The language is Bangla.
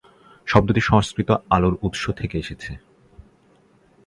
শব্দটি সংস্কৃত আলোর উত্স থেকে এসেছে।